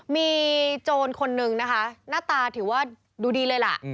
มีโจรคนนึงนะคะหน้าตาถือว่าดูดีเลยล่ะ